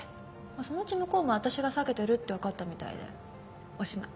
そのうち向こうも私が避けてるってわかったみたいでおしまい。